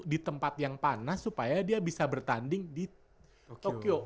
di tempat yang panas supaya dia bisa bertanding di tokyo